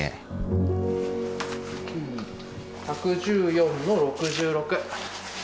１１４の６６。